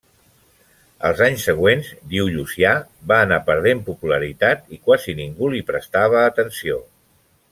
Els anys següents, diu Llucià, va anar perdent popularitat, i quasi ningú li prestava atenció.